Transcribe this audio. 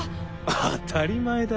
当たり前だ。